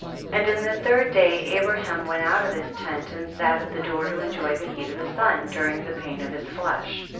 3. And in the third day Abraham went out of his tent and sat at the door to enjoy the heat of the sun, during the pain of his flesh.